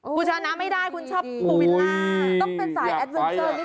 คุณชนะไม่ได้คุณชอบปลูกวิลล่า